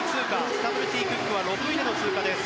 スタブルティ・クックは６位での通過です。